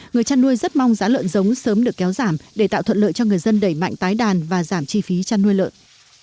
người chăn nuôi rất mong giá lợn giống sớm được kéo giảm để tạo thuận lợi cho người dân đẩy mạnh tái đàn và giảm chi phí chăn nuôi lợn